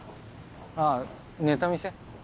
あぁネタ見せ。